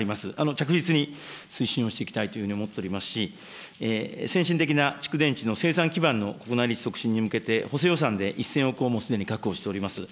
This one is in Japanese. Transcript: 着実に推進をしていきたいというふうに思っておりますし、先進的な蓄電池の生産基盤の国内率促進に向けて、補正予算で１０００億円をすでに確保しております。